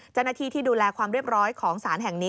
ที่ดูแลความเรียบร้อยของสารแห่งนี้